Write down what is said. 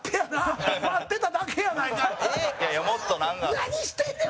「何してんねん！